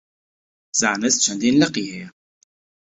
زانست چەندین لقی هەیە.